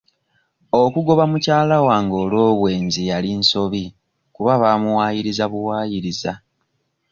Okugoba mukyala wange olw'obwenzi yali nsobi kuba baamuwayiriza buwaayiriza.